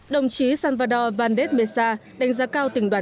đồng chí salvador valdes mesa đánh giá cao tỉnh đoàn